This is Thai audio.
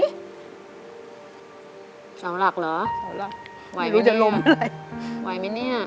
สาวหลักเหรอไหวไหมเนี่ยสาวหลักเขาไม่รู้จะลมอะไร